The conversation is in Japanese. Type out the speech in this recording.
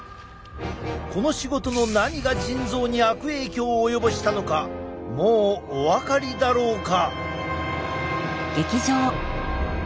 この仕事の何が腎臓に悪影響を及ぼしたのかもうお分かりだろうか？